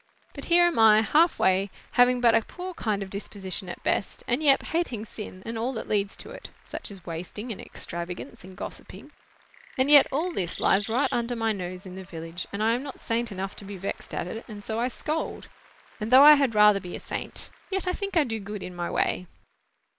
But here am I, half way, having but a poor kind of disposition at best, and yet hating sin, and all that leads to it, such as wasting, and extravagance, and gossiping,—and yet all this lies right under my nose in the village, and I am not saint enough to be vexed at it; and so I scold. And though I had rather be a saint, yet I think I do good in my way."